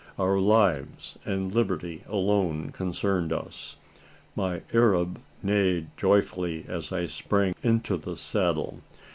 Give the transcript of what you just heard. Our lives and liberty alone concerned us. My Arab neighed joyfully, as I sprang into the saddle.